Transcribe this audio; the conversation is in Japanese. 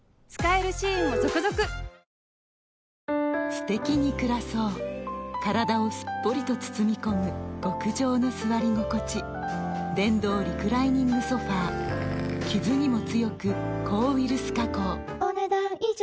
すてきに暮らそう体をすっぽりと包み込む極上の座り心地電動リクライニングソファ傷にも強く抗ウイルス加工お、ねだん以上。